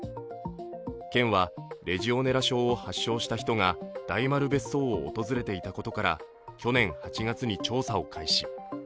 県はレジオネラ症を発症した人が大丸別荘を訪れていたことから去年８月に調査を開始。